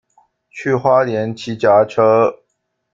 去花蓮騎腳踏車